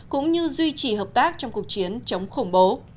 cũng như duy trì hợp tác trong cuộc chiến chống khủng bố